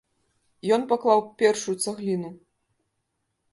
Ён паклаў першую цагліну.